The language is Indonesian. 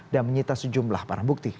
dan menyita sejumlah para bukti